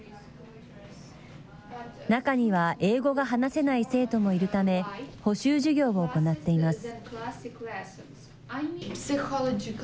中には英語が話せない生徒もいるため補習授業を行っています。